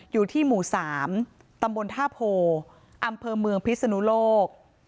อยู่ที่หมู่๓ตำบลท่าโพอำเภอเมืองพิศนุโลก